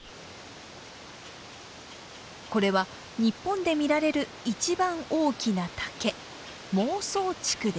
これは日本で見られる一番大きな竹モウソウチクです。